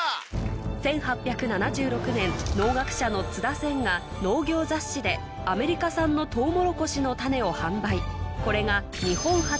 １８７６年農学者の津田仙が農業雑誌でアメリカ産のとうもろこしの種を販売